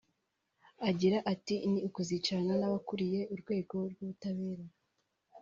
Agira ati "Ni ukuzicarana n’abakuriye urwego rw’ubutabera